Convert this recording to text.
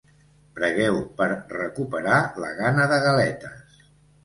Pregueu per recuperar la gana de galetes.